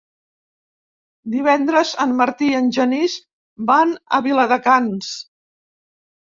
Divendres en Martí i en Genís van a Viladecans.